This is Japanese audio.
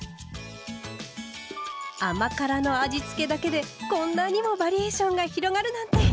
甘辛の味付けだけでこんなにもバリエーションが広がるなんて！